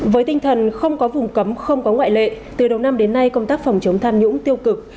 với tinh thần không có vùng cấm không có ngoại lệ từ đầu năm đến nay công tác phòng chống tham nhũng tiêu cực